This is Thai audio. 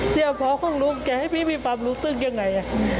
เสียพ่อของลูกแกให้พี่ปั๊มรู้เรื่องยังไง